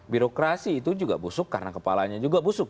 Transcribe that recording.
birokrasi itu juga busuk karena kepalanya juga busuk